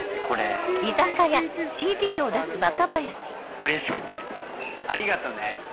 うれしくてありがとね。